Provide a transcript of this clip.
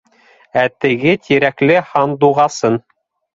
Ә теге Тирәкле һандуғасын...